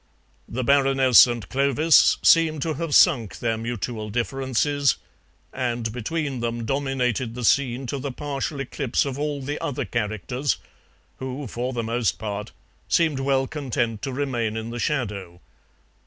The Baroness and Clovis seemed to have sunk their mutual differences, and between them dominated the scene to the partial eclipse of all the other characters, who, for the most part, seemed well content to remain in the shadow.